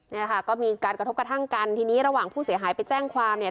เนี่ยค่ะก็มีการกระทบกระทั่งกันทีนี้ระหว่างผู้เสียหายไปแจ้งความเนี่ย